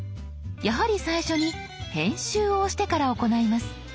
やはり最初に「編集」を押してから行います。